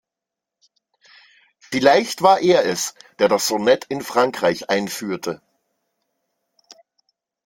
Vielleicht war er es, der das Sonett in Frankreich einführte.